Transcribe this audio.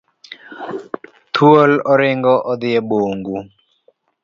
Thuol oringo odhi e bungu.